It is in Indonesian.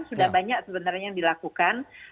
sudah banyak sebenarnya yang dilakukan